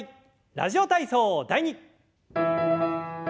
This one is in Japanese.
「ラジオ体操第２」。